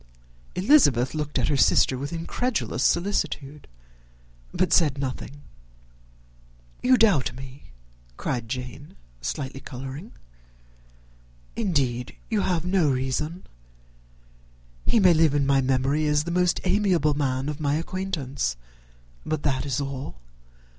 Elizabeth looked at her sister with incredulous solicitude, but said nothing. "You doubt me," cried Jane, slightly colouring; "indeed, you have no reason. He may live in my memory as the most amiable man of my acquaintance but that is all.